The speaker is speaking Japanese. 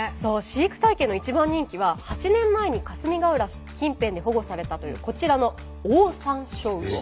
飼育体験の一番人気は８年前に霞ヶ浦近辺で保護されたというこちらのオオサンショウウオ。